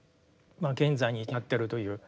現在に至ってるという。